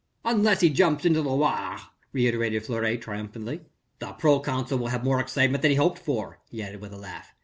"Unless he jumps into the Loire," reiterated Fleury triumphantly. "The proconsul will have more excitement than he hoped for," he added with a laugh.